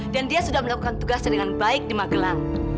dan dia sudah melakukan tugasnya dengan baik di magelang